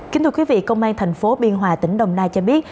kính thưa quý vị công an thành phố biên hòa tỉnh đồng nai cho biết